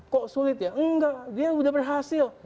kok sulit ya enggak dia udah berhasil